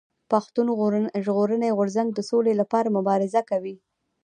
پښتون ژغورني غورځنګ د سولي لپاره مبارزه کوي.